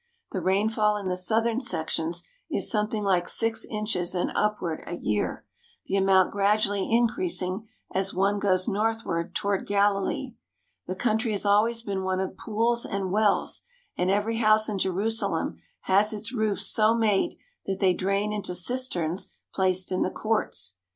The rainfall in the southern sections is something like six inches and upward a year, the amount gradually increas ing as one goes northward toward Galilee. The country has always been one of pools and wells, and every house in Jerusalem has its roofs so made that they drain into cisterns placed in the courts.